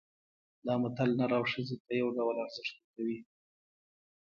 دا متل نر او ښځې ته یو ډول ارزښت ورکوي